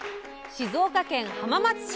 静岡県浜松市。